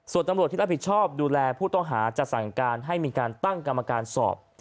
ส่วนตำรวจที่รับผิดชอบดูแลผู้ต้องหาจะสั่งการให้มีการตั้งกรรมการสอบ